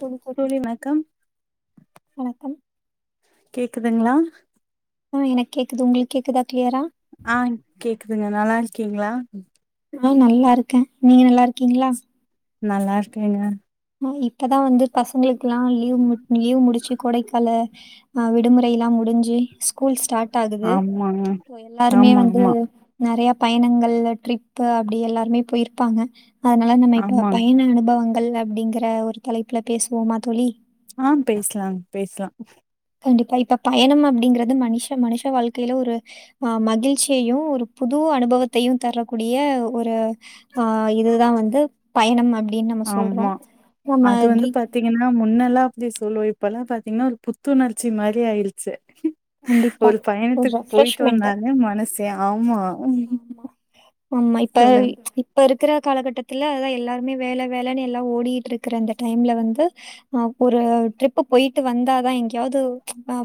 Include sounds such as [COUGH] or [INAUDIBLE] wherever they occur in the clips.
சொல்லுங்க சார் தோழி வணக்கம் வணக்கம் கேக்குதுங்களா ஆ எனக்கு கேக்குது உங்களுக்கு கேக்குதா கிளியரா ஆ கேக்குதுங்க நல்லா இருக்கீங்களா ஆ நல்லா இருக்கே நீங்க நல்லாருக்கீங்களா நல்லாருக்கேங்க இப்பதாவந்து பசங்களுக்கெல்லா லீவ் லீவ் முடிச்சு கொடைக்கால அ விடுமுறையெல்லா முடிஞ்சு ஸ்கூல் ஸ்டார்ட் ஆகுது ஆமாங்க சோ எல்லாருமே ஆமா வந்து ஆமா நறைய பயணங்கள் ட்ரிப்பு அப்படி எல்லாருமே போயிருப்பாங்க அதனால நம்ம இப்ப ஆமாங்க பயண அனுபவங்கள் அப்படிங்குற ஒரு தலைப்புல பேசுவோமா தோழி ஆ பேசலாம் பேசலாம் கண்டிப்பா இப்ப பயணம் அப்படிங்கறது மனுஷ மனுஷ வாழ்க்கையில ஒரு ஆ மகிழ்ச்சியையு ஒரு புது அனுபவத்தையு தரக்கூடிய ஒரு ஆ இதுதா வந்து பயணம் அப்படின்னு நம்ம சொல்றோ ஆமா நம்ம அது வந்து தி பாத்தீங்கன்னா முன்னெல்லா அப்படி சொல்லுவே இப்பல்லா பாத்தீங்கன்னா ஒரு புத்துணர்ச்சி மாதிரி ஆயிடுச்சு கண்டிப்பா ஒரு ஒரு பயணத்துக்கு போயிட்டு ரெஃப்ரெஷ்மெண்ட்டு வந்தாலே மனசே ஆமா ஆமா ஆமா இப்ப சொல்லுங்க இப்போ இருக்கிற காலகட்டத்தில அதா எல்லாருமே வேல வேலன்னு எல்லா ஓடிகிட்ருக்கிற அந்த டைம்ல வந்து ஆ ஒரு ட்ரிப் போயிட்டு வந்தாதா எங்கயாவது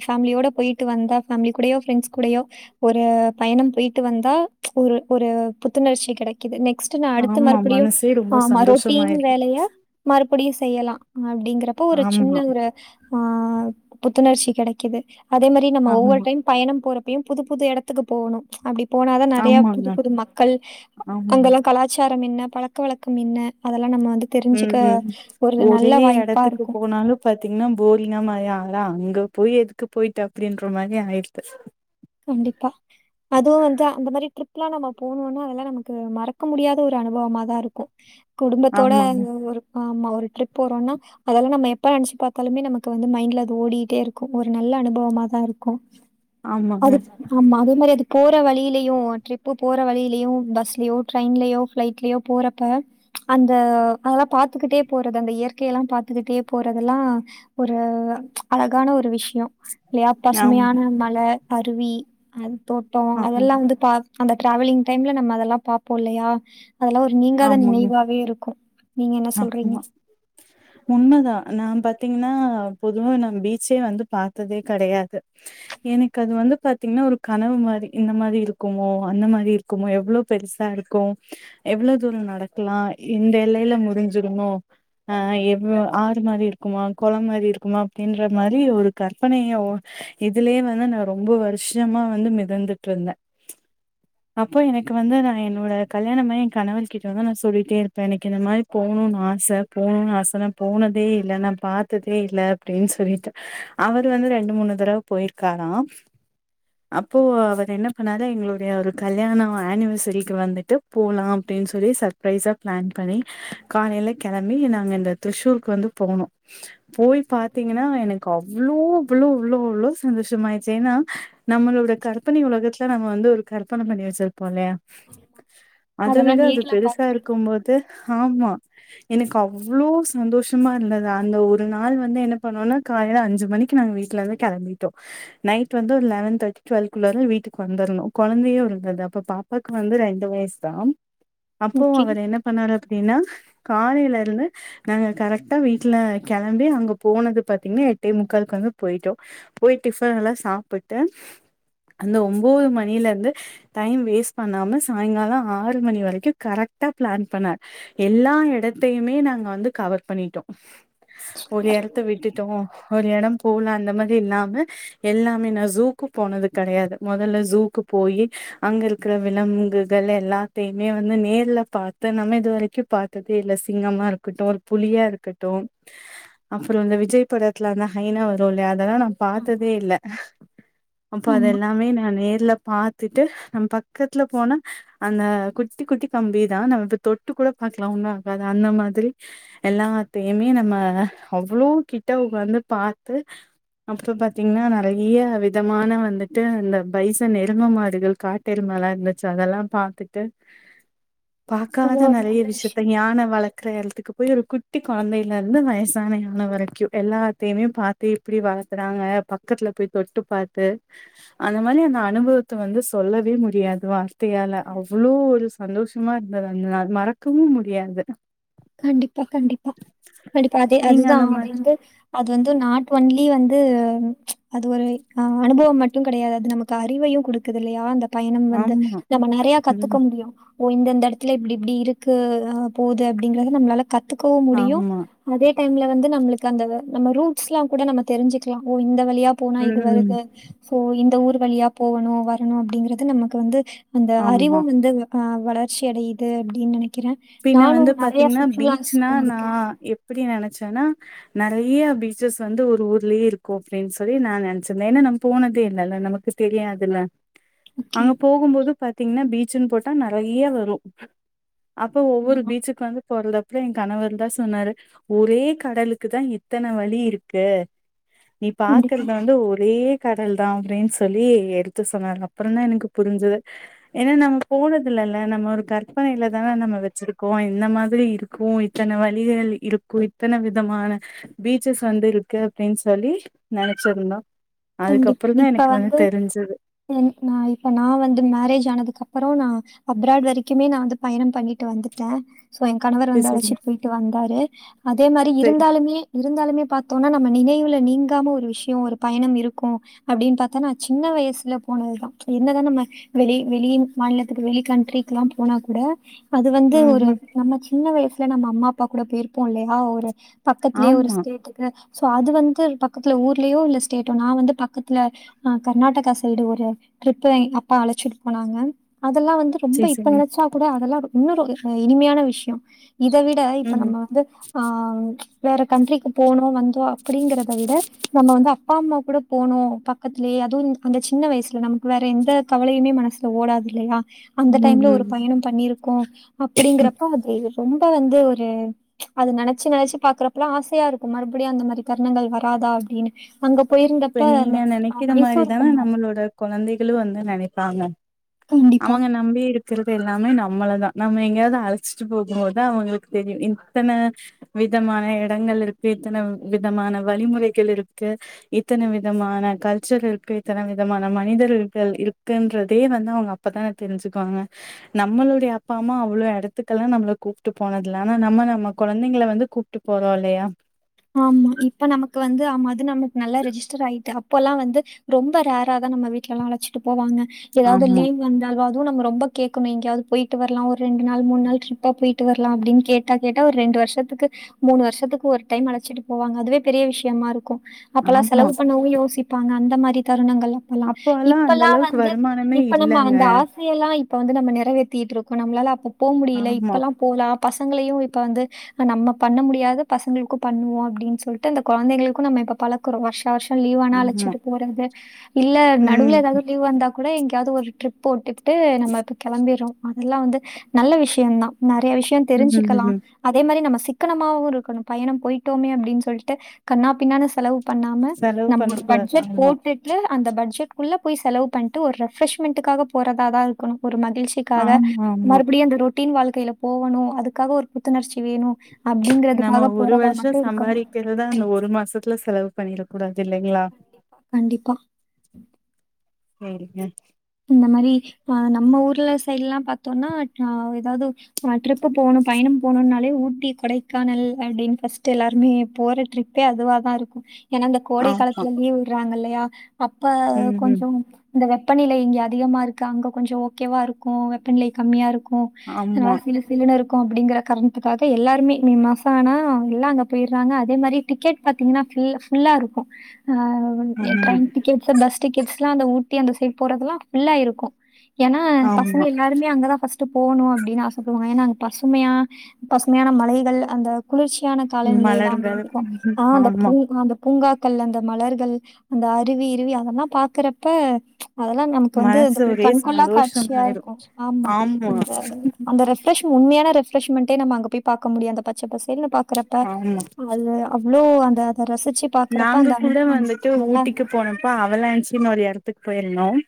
ஃபேமிலியோட போயிட்டு வந்தா ஃபேமிலி கூடையோ ஃப்ரெண்ட்ஸ் கூடையோ ஒரு பயணம் போயிட்டு வந்தா ஒரு ஒரு புத்துணர்ச்சி கெடைக்குது நெக்ஸ் ட்டு நா அடுத்து ஆமா மறுபடியு மனசே ரொம்ப ஆ ரூட்டின் சந்தோஷமாயிருக்கு வேலையா மறுபடியு செய்யலா அப்படிங்கறப்போ ஒரு ஆமா சின்ன ஒரு ஆ புத்துணர்ச்சி கெடைக்குது அதே மாரி நம்ம ஒவ்வொரு ஆமா டைம் பயணம் போறப்பையு புது புது எடத்துக்கு போகணு அப்படி போன தான் நெறைய ஆமாங்க புது புது மக்கள் ஆமாங்க அங்கெல்லா கலாச்சாரம் என்ன பழக்க வழக்கம் என்ன அதெல்லா நம்ம வந்து ம் தெரிஞ்சுக்க ம் ஒரு ஒரே நல்ல வாய்ப்பா எடத்துக்கு இருக்கு போனாலு பாத்தீங்கன்னா போரிங்கா மாரி ஆ அங்க போய் எதுக்கு போயிட்டு அப்படின்ற மாரி ஆயிடுது கண்டிப்பா அதுவு வந்து அந்த மாரி ட்ரிப் எல்லா நம்ம போணோம்னா அதெல்லாம நமக்கு மறக்க முடியாத ஒரு அனுபவமா தா இருக்கு குடும்பத்தோட ஆமாங்க ஒரு ஆமா ஒரு ட்ரிப் போறோன்னா அதெல்லா நம்ம எப்ப நெனைச்சு பாத்தாலுமே நமக்கு வந்து மைண்ட்ல அது ஓடிகிட்டே இருக்கு ஒரு நல்ல அனுபவமா தா இருக்கு ஆமாங்க அது ஆமா அதே மாரி அது போற வழியிலையு ட்ரிப்பு போற வழியிலையு பஸ்லயோ ட்ரெயின்லயோ ஃப்ளைட்லயோ போறப்ப அந்த அதெல்லா பாத்துக்கிட்டே போறது அந்த இயற்கையெல்லா பாத்துக்கிட்டே போறதெல்லா ஒரு அழகான ஒரு விஷ் யோ இல்லையா ஆமா பசுமையான மல அருவி அ தோட்டோ ஆமா, அதெல்லா ஆமாங்க வந்து பா அந்த டிராவலிங் டைம்ல நம்ம அதெல்லா பாப்போ இல்லையா அதெல்லா ஒரு நீங்காத ஆமாங்க நினைவாவே இருக்கு நீங்க என்ன சொல்றீங்க? ஆமா [INAUDIBLE] உண்ம தா நா பாத்தீங்கன்னா பொதுவா நா பீச்சே வந்து பாத்ததே கடையாது எனக்கு அது வந்து பாத்தீங்கன்னா ஒரு கனவு மாரி இந்த மாரி இருக்குமோ அந்த மாரி இரு க்குமோ எவ்ளோ பெருசா இருக்கு எவ்ளோ தூரோ நடக்கலா இந்த எல்லையில மு ஞ்சுருமோ ஆ எவ்ளோ ஆறு மாரி இருக்குமா குளம் மாரி இருக்குமா அப்டின்ற மாரி ஒரு கற்பனையோ இதுலேயே வந்து நா ரொம்ப வருஷமா வந்து மிதந்துட்டு இருந்த [INAUDIBLE] அப்போ எனக்கு வந்து ந என்னோட கல்யாண மாய் என் கணவர்கிட்ட வந்து நா சொல்லிட்டே இருப்ப எனக்கு இந்த மாரி போணுனு ஆச போனுனு ஆச நா போனதே இல்ல நா பாத்ததே இல்ல அப்டின்னு சொல்லிட்ட அவரு வந்து ரெண்டு மூணு தடவ போயிருக்காரா [INAUDIBLE] அப்போ அவரு என்ன பண்ணாரு எங்களுடைய ஒரு கல்யாணோ ஆனிவசரிக்கு வந்துட்டு போலா அப்டின்னு சொல்லி சர்ப் ப்ரைசா ப்ளான் பண்ணி காலேல கெளம்பி நாங்க இந்த திரிச்ஷூருக்கு வந்து போனோ போய் பாத்தீங்கன்னா எனக்கு அவ் அவ்ளோ அவ்ளோ அவ்ளோ அவ்ளோ சந்தோஷமாயிச்சு ஏன்னா நம்மளோட கற்பனை உலகத்துல நம்ம வந்து ஒரு கற்பன பண்ணி வச்சிருப்போல்ல அத அதெல்லா விட அது நேர்ல பெருசா பாக்குறது இருக்கும் போது ஆமா எனக்கு அவ்ளோ சந்தோஷமா இருந்தங்க அந்த ஒரு நாள் வந்து என்ன பண்ணோனா காலைல அஞ்சு மணி க்கு நாங்க வீட்ல இருந்து கெளம்பிட்டோ நைட்டு வந்து ஒரு லெவன் தேட்டிக்கு டுவெள்குள்ள வீட்டுக்கு வந்தர்ணு கொழந்தையு இருந்தது அப்போ பாப் பாக்கு வந்து ரெண்டு வய்சு தா அப்போ முக்கியம். அவர் என்ன பண்ணாரு அப்புடின்னா காலேல இருந்து நாங்க கரெக்டா வீட்ல கெளம்பி அங்க போனது பாத்தீங்கன்னா எட்டே முக்காலுக்கு வந்து போய்ட்டோ போயி டிஃபன் எல்லா சாப்புட்டு அந்த ஒம்போது மணிலருந்து டைம் வேஸ்ட் பண்ணாம சாய்ங்காலோ ஆறு மணி வரைக்கு கரெக்டா பிளான் பண்ண எல்லா எடத்தையுமே நாங்க வந்து கவர் பண்ணிட்டோ ஒரு எடத்த விட்டு ட்டோ ஒரு எடோ போல அந்த மாரி இல்லாம எல்லாமே நா ஜூக்கு போனது கடையாது மொதல்ல ஜூக்கு போயி அங்க இரு இருக்கற விலங்குகள் எல்லாத்தையுமே வந்து நேர்ல பாத்து நம்ம இது வரைக்கு பாத்து வீட்ல சிங்கமா இருக்கட்டு ஒரு புலியா இருக்கட்டு அப்புறோ வந்து இந்த விஜய் படத்துல அந்த லைனா வரு இல்லையா அதெல்லா நா பாத்ததே இல்ல அப்ப அத ஆமா. எல்லாமே நா நேர்ல பாத்துட்டு நம் பக்கத்ல போன அந்த குட்டி குட்டி கம்பிதா நம்ப இப்ப தொட்டு கூட பாக்லா ஒன்னு ஆகாது அந்த மாதிரி எல்லாத்தையுமே நம்ம அவ்ளோ கிட்ட வந்து பாத்து அப்ற பாத்தீங்ன்னா நெறைய விதமான வந்துட்டு இந்த பைசன் எரும மாடுங்க காட் டெருமலா இருந்துச்சு அதெல்லா பாத்துட்டு அது பாக்காத ஒரு நெறைய நல்ல விஷத்தை விஷயம். யான வளக்கற எடத்துக்கு போய் ஒரு குட்டி கொழந்தயில இருந்து வயசான யான வரைக்கு எல்லாத்தையுமே பாத் தி இப்டி வளத்றாங்க பக்கத்துல போய் தொட்டு பாத்து அந்த மாரி அந்த அனுபவத்த வந்து சொல்லவே முடியாது வார் த்தையால அவ்ளோ ஒரு சந்தோஷமா இருந்தது அந்த நாள் மறக்கவு முடியாது கண்டிப்பா கண்டிப்பா கண்டிப்பா அதே நீங்க அதுதா அந்த அது மாரி வந்து அது வந்து நாட் ஒன்லி வந்து அது ஒரு அ அனுபவம் மட்டு கடையாது அது நமக் கு அறிவையு குடுக்குது இல்லையா அந்த பயணம் வந்து ஆமா நம்ப நறைய கத்துக்க ம் முடியு ஓ இந்தந்த எடத்துல இப்டி இப்டி இருக்கு அ போது அப்டிங்கறத நம்ளால கத்துக்கவும் முடியு ஆமா அதே டைம்ல வந்து நம்ளுக்கு அந்த நம்ம ரூட்ஸ்லா கூட நம்ம தெரிஞ்சிக்லா ஓ இந்த வழியா போனா இது ம் வருது சோ இந்த ஊர் வழியா போவணு வரணு அப்டிங்கறது நமக்கு வந்து அந்த அறிவு ஆமா வந்து அ வளர்ச்சி அடையுது அப்டின் நெனைக்கிற பின்ன நானு வந்து பாத்தீங்கன்னா பீச்னா நா எப்டி நெனச்சன்னா நறைய பீச்சஸ் வந்து ஒரு ஊர்லேயே இருக்கு அப்டின் சொல்லி நா நனைச்சிருந்தே ஏனா நம்ம போனதே இல்லல்ல நமக்கு தெரியாதுல ஓகே. அங்க போகும்போது பாத்தீங்கன்னா பீச்சுன்னு போட்டா நறைய வரு அப்ப ஒவ்வொரு ஆமா பீச்சுக்கு வந்து போறதுடத்துல எ கணவரு தா சொன்னாரு ஒரே கடலுக்கு தா இத்தன வழி இருக்கு நீ கண்டிப்பா பாக்கறத வந்து ஒரே கடல் தா அப்டின் சொல்லி எடுத்து சொன்னாங்க அப்றோ தா எனக்கு புரிஞ்சிது ஏனா நம்ம போனது இல்லல நம்ம ஒரு கற்பனையிலதா நம்ம வச்சிருக் கோ இந்த மாரி இருக்கு இத்தன வழிகள் இருக்கு இத்தன விதமான பீச்சஸ் வந்து இருக்கு அப்டின் சொல்லி நனச்சிருந்தோ அதுக்கப்ற தா எனக்கு வந்து தெரிஞ்சிது ம்ஹும் நா இப்ப நா வந்து மேரேஜ் ஆனதுக்கப்றோ நா அப்ராட் வரைக்குமே நா வந்து பயனோ பண்ணிட்டு வந்துட்ட சோ எ கணவர் சரி வந்து சரி அழச்சிட்டு போய்ட்டு வந்தாரு அதே மாரி சரி இருந்தாலுமே இருந்தாலுமே பாத்தோன்னா நம்ம நினைவுல நீங்காம ஒரு விஷ்யோ ஒரு பயணம் இருக் கு அப்டின்னு பாத்தனா சின்ன வயசுல போனதுதா என்னதா நம்ம வெளி வெளி மாநிலத்துக்கு வெளிய கண்ட்ரிக்குலா போனா கூட அது வந்து ம் ஒரு ம் நம்ம சின்ன வயசுல நம்ம அம்மா அப்பா கூட போயிருப்போ இல்லயா ஒரு பக்கத்திலயே ஒரு ஆமா ஸ்டேட் இருக்கு சோ அது வந்து பக்கத்துல ஊர்லயோ இல்ல ஸ்டேட் நா வந்து பக்கத்துல அ கர்நாடகா சைடு ஒரு ட்ரிப்பு அப்பா அழச்சிட்டு போனாங்க அதெல்லா வந்து ரொம்ப சரி இப்ப சரிங்க நனச்சா கூட அதெல்லா இன்னொரு இனிமயான விஷ்யோ இத விட இப்ப ம் ம் நம்ம வந்து ஆ வேற கண்ட்ரிக்கு போனோ வந்தோ அப்டிங்கறத விட நம்ம வந்து அப்பா அம்மா கூட போனோ பக்கத்லயே அதுவு அந்த சின்ன வயசுல நமக்கு வேற எந்த கவலயுமே மனசு ஓடாது இல்லயா அந்த ம் டைம்ல ஒரு ம் பயணோ பண்ணிருக்கோ அப்டிங்கறப்ப அது ரொம்ப வந்து ஒரு அது நனச்சி நனச்சி பாக்குறப்பலா ஆசயா இருக்கு மறுபுடியு அந்த மாரி தருணங்கள் வராதா அப்டினு அங்க இப்ப போயிருந்தப்ப அந்த அ மைசூர் போனோ குழந்தகளு வந்து நனைப்பாங்க கண்டிப்பா. அவுங்க நம்பி இருப் இருக்கறது எல்லாமே நம்மளதா நம்ம எங்கயாவது அழச்சிட்டு போகும்போதா அவுங்களுக்கு தெரியு இத்தன விதமான இடங்கள் இருக்கு இத்தன விதமான வழிமுறைகள் இருக்கு இத்தன விதமான கல்ச்சர் இருக்கு இத்தன விதமான மனிதர்கள் இருக்குன்றதே வந்து அவுங்க அப்பதா தெரிஞ்சுக்குவாங்க நம்மளுடைய அப்பா அம்மா அவ்ளோ எடத்துக்கெல்லா நம்மள கூப்ட்டு போனதுல்ல ஆனா நம்ம நம்ம கொழந்தங்கள வந்து கூப் ட்டு போறோ இல்லயா ஆமா இப்ப நமக்கு வந்து ஆமா அது நமக்கு நல்லா ரிஜிஸ்டர் ஆயிட்டு அப்போல்லா வந்து ரொம்ப ரேரா தா நம்ம வீட்லல்லா அழச்சிட்டு போவாங்க ஏதாவது ஆமா லீவ் வந்தாலு அதுவு நம்ம ரொம்ப கேக்குமே இங்கயாவது போயிட்டு வரலா ஒரு ரெண்டு நாள் மூன் நாள் ட்ரிப்பா போயிட்டு வரலா அப்டின்னு கேட் தா கேட்டா ஒரு ரெண்டு வருஷத்துக்கு மூணு வருஷத்துக்கு ஒரு டைம் அழச்சிட்டு போவாங்க அதுவே பெரிய விஷ்யமா இருக்கு அப்பெல்லா ஆமா செலவு பண்ணவு யோசிப் ப்பாங்க அந்த மாரி தருணங்கள் அப்பல்லா அப்போல்லா அந்த இப்பல்லா அளவுக்கு வந்து வருமானமே இப்ப நம்ம இல்லங்க அந்த ஆ சையெல்லா இப்ப வந்து நம்ம நிறவேத்திட்டு இருக்கோ நம்மால அப்ப போக முடில ஆமா இப்பல்லா போலா பசங்களயு இப்ப வந்து நம்ம பண்ண முடியாத பசங்களுக்கு பண்ணுவோ அப்டின் சொல்ட்டு அந்த கொழந்தளுக்கு நம்ம இப்ப பழக்குரு வாஷ் வருஷோ லீவானா ஆமா அழச்சிட்டு போறது இல்ல ம் நடுவுல ஏதாவது லீவ் வந்தா கூட எங்கேயாவது ஒரு ட்ரிப் போட்டுகிட்டு நம்ம இப்ப கிளம்பிருவோ அதல்லா வந்து நல்ல விஷ்யந்தா நெறைய விஷ்யோ தெரிஞ்சிக்கலா ம் அதே மாரி நம்ம சிக்கனமாவு இருக்கணு பயணோ போயிட்டோமே அப்டின்னு சொல்ட்டு கண்ணா பின்னானு செலவு பண்ணாம செலவு நம்ம ஒரு பண்ணக் கூடாது பட்ஜெட் ஆமா போட்டுட் அந்த பட்ஜெட்குள்ள போய் செலவு பண்ட்டு ஒரு ரெஃப்ரெஷ்மெண்டக்காக போறத தா இருக்கணு ஒரு மகிழ்ச்சி க்காக ஆமா ஆமா மறுபடியு அந்த ரொட்டின் வாழ்க்கையில போவணு அதுக்காக ஒரு புத்துணர்ச்சி வேணு நம்ம அப்டிங்கறதுக்காகப் ஒரு வர்ஷோ சம்பாரிக் கிறத அந்த ஒரு மாசத்துல செலவு பண்ணிடக் கூடாது இல்லைங்ளா கண்டிப்பா. செரிங்க இந்த மாரி ஆ நம்ம ஊர்ல சைட்ல பாத்தோன்னா ஆ ஏதாவது நா ட்ரிப்பு போணு பயணம் போனுன்னாலே ஊட்டி கொடைக்கானல் அப்டின் பஸ்ட்டு எல்லாருமே போற ட்ரிப் பே அதுவ தா இருக்கு ஏனா இந்த கோடை ஆமா காலத்துல லீவ் உட்றாங்க இல்லையா அப்ப ம் கொஞ்ச ம் இந்த வெப்பநிலை இங்கே அதிகமா இருக்கு அங்க கொஞ்ச ஓகேவா இருக்கோ வெப்பநிலை கம்மியா இருக்கோ நல்லா ஆமா சிலு சிலுனு இருக்கு அப்டிங்கிற காரண்துக்காக எல்லாருமே மே மாசோ ஆனா எல்லா அங்கே போயிற்றாங்க அதே மாரி டிக்கெட் பாத்திங்னா ஃபுல் ஃபுல்லா இருக்கு உ எ ஆமா ட்ரெயின் டிக்கெட் அ பஸ் டிக்கெட்ஸ்லா அந்த ஊட்டி அந்த சைட் போறதல்லா ஃபுல்லாயி இருக்கோ ஏனா பசங்க ஆமா எல்லாருமே அங்கதா ஃபஸ்ட் டு போணு அப்டினு ஆசப்படுவாங்க ஏனா அங்க பசுமையா பசுமையான மலைகள் அந்த குளிர்ச்சியான காலநிலைலா அங்க மலர்கள் இருக்கு ஆ அந்த ஆமா பூ அந்த பூங்காக்கள் அந்த மலர்கள் அந்த அருவிகிருவி அதல்லா பாக்கறப்ப அதல்லா நம் கு வந்து அந்த மனசு ஒரு ஒரே கண்கொள்ளா காட்சியா சந்தோஷமாயிரு இருக்கோ ஆமா அது வந்து [UNINTELLIGIBLE] அந்த ரெப் ரஷ் உண்மையான ரெப்ரஷ்மெண்டே நம்ம அங்க போய் பாக்க முடியுஅந்த பச்ச பசேல்னு பாக்றப்ப ஆமா அதுதா அவ்ளோ அந்த அத ரசிச்சு பாக்குறப்ப அந்த அனுபவம் நல்லாருக்கு அப்ப அவளான்சின்னு ஒரு எடத்துக்கு போயிருந்தோம்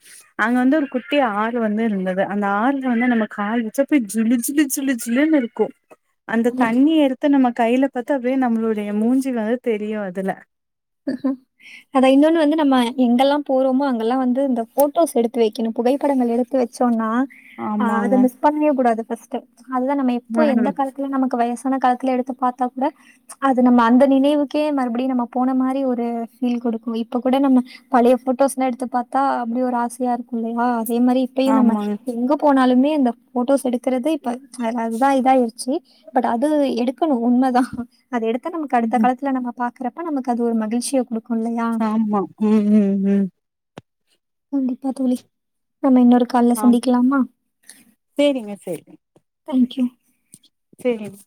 அங்க வந்து ஒரு குட்டி ஆறு வந்து இருந்தது அந்த ஆறுல வந்து நம்ம கால்வெச்சா போய் ஜிளு ஜிளு ஜிளு ளுனு இருக்கு அந்த நல்லா தண்ணிய எடுத்து நம்ம கையில பாத்து அப்டியே நம்ளுடைய மூஞ்சி வந்து தெரியு அதுல அத இன்னொன்னு வந்து நம்ம எங்கல்லா போறோமோ அங்கல்லா வந்து இந்த ஃபோட்டோஸ் எடுத்து வெக்கணோ புகைப்படங்கள் எடுத் து வெச்சோன்னா ஆ அத ஆமாங்க மிஸ் பண்ணவே கூடாது ஃபஸ்டு அதுதா நம்ம எப்போ எந்த ஆமாங்க காலத்துல நமக்கு வயஸ் சான காலத்துல எடுத்து பாத்தா கூட அது நம்ம அந்த நினைவுக்கே மறுபடியு நம்ம போன மாரி ஒரு ஃபீல் குடுக்கு இப்போ கூட நம்ம பழைய போட்டோஸ்லா எடுத்து பாத்தா அப்டி ஒரு ஆசையா இருக்கு இல்லியா அதே மாரி இப்யு நம்ம ஆமாங்க எங்கப் போனாலுமே இந்த போட்டோஸ் எடுக்கறது இப்ப அ அதுதா இதாயிருச்சி பட் அது எடுக்கணு உண்மதா அது எடுத்த நமக்கு அடுத்த ம் காலத்துல நம்ம பாக்கறப்ப நமக்கு அது ஒரு மகிழ்ச்சிய குடுக் ஆமா ம் ம் ம் கண்டிப்பா தோழி நம்ம இன்னொரு கால்ல ஆ சந்திக்லாமா சேரிங்க சேரி தாங்க் யூ சேரிங்